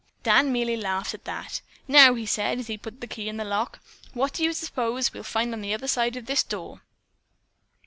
Dan merely laughed at that. "Now," he said, as he put the key in the lock, "what do you suppose we'll find on the other side of this door?"